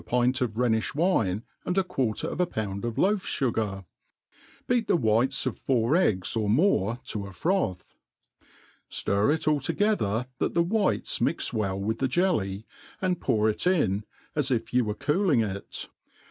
pint of Rhenifh wine, and a quarter of a pound of loaf fugar % beat the whites of four eggs or more to a froth ; ftir it all to gether that the whites mix well with the jelly, and pour it in, as if you were cooling it.